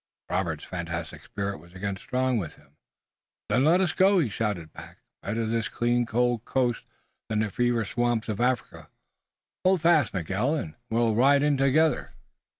Robert's fantastic spirit was again strong upon him. "Then let us go!" he shouted back. "Better this clean, cold coast than the fever swamps of Africa! Hold fast, Miguel, and we'll ride in together!"